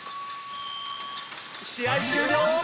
試合終了！